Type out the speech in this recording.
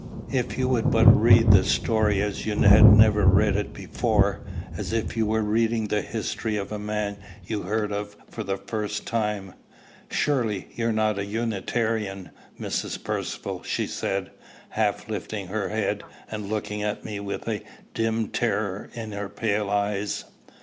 If you would but read the story as if you had never read it before, as if you were reading the history of a man you heard of for the first time" "Surely you're not a Unitarian, Mrs. Percivale!" she said, half lifting her head, and looking at me with a dim terror in her pale eyes.